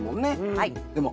はい。